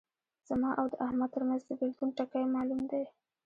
زما او د احمد ترمنځ د بېلتون ټکی معلوم دی.